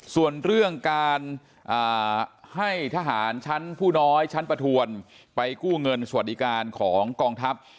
ส่วนเรื่องการให้ทหารชั้นผู้น้อยชั้นประทวนไปกู้เงินสวัสดิการของกองทัพ